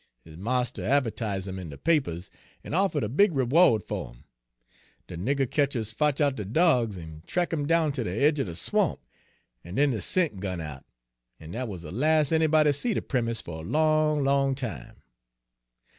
His marster a'vertise' him in de papers, en offered a big reward fer 'im. De nigger ketchers fotch out dey dogs, en track' 'im down ter de aidge er de swamp, en den de scent gun out; en dat was de las' anybody seed er Primus fer a long, long time.